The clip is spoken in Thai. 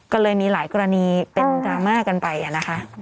ก็เลยมีหลายกรณีเป็นดราม่ากันไปนะคะ